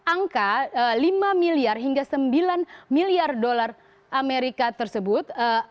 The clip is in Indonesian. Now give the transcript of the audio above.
angka lima miliar hingga sembilan miliar dolar amerika tersebut